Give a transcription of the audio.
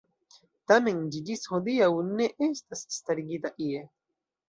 Tamen ĝi ĝis hodiaŭ ne estas starigita ie.